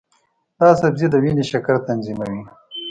دا سبزی د وینې شکر تنظیموي.